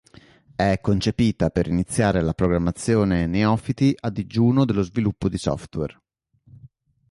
È concepita per iniziare alla programmazione neofiti a digiuno dello sviluppo di software.